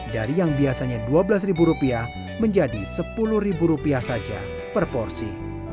dari yang biasanya dua belas ribu rupiah menjadi sepuluh ribu rupiah saja per porsi